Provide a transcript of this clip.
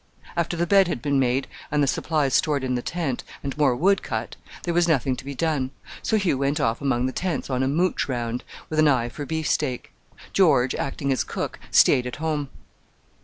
After the bed had been made and the supplies stored in the tent, and more wood cut, there was nothing to be done; so Hugh went off among the tents on a "mooch round" with an eye for beef steak! George, acting as cook, stayed at home.